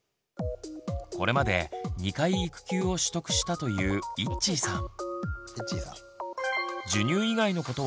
これまで２回育休を取得したといういっちーさん。